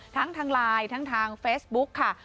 ทั้งทางไลน์ทั้งทางเฟซบุ๊กค่ะ